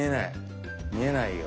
見えないよ。